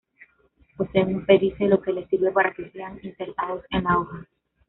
Poseen un pedicelo que les sirve para que sean insertados en la hoja.